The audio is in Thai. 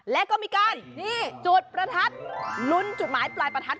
แล้วก็มีการจุดประทัดลุ้นจุดหมายปลายประทัด